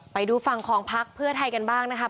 ไปดูฝั่งของพักเพื่อไทยกันบ้างนะครับ